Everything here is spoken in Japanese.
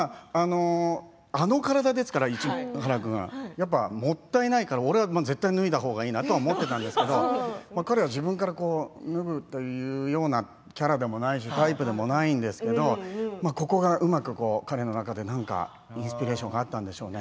あの体ですから、もったいないからこれは絶対に脱ぐ方がいいなと思ってたんですけども彼は自分から脱ぐっていうようなキャラでもないしタイプでもないんですけどここが、うまく彼の中で何かインスピレーションがあったんでしょうね